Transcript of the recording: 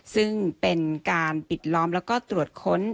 ซึ่งเป็นการปิดล้อมแล้วก็ตรวจค้น